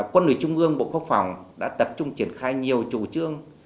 quân ủy trung ương bộ quốc phòng đã tập trung triển khai nhiều chủ trương